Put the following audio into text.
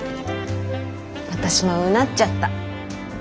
私もうなっちゃった。